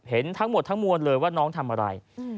เห็นทั้งหมดทั้งมวลเลยว่าน้องทำอะไร